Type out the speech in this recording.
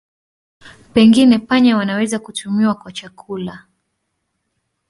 Pengine panya wanaweza kutumiwa kwa chakula.